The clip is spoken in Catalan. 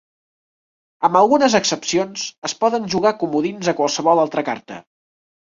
Amb algunes excepcions, es poden jugar comodins a qualsevol altra carta.